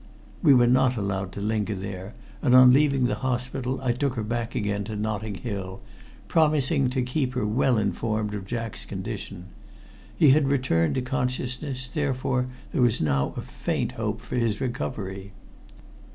We were not allowed to linger there, and on leaving the hospital I took her back again to Notting Hill, promising to keep her well informed of Jack's condition. He had returned to consciousness, therefore there was now a faint hope for his recovery.